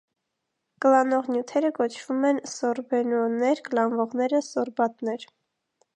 Կլանող նյութերը կոչվում են սորբենւոներ, կլանվողները՝ սորբատներ։